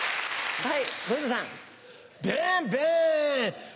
はい。